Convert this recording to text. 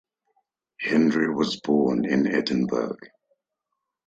Hendry was born in Edinburgh.